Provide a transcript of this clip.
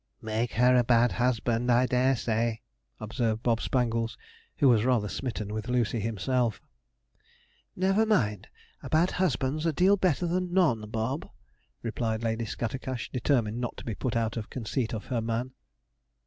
'Make her a bad husband, I dare say,' observed Bob Spangles, who was rather smitten with Lucy himself. 'Never mind; a bad husband's a deal better than none, Bob,' replied Lady Scattercash, determined not to be put out of conceit of her man.